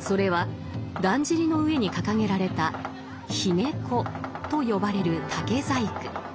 それはだんじりの上に掲げられた「髯籠」と呼ばれる竹細工。